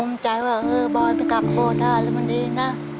ภูมิใจว่าเออบอยไปกลับโบทาแล้วมันดีนะ